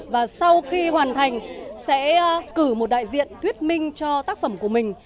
và sau khi hoàn thành sẽ cử một đại diện thuyết minh cho tác phẩm của mình